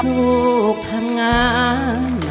พูดกรู๊คทำงาน